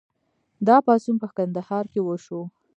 دا پاڅون په کندهار کې وشو.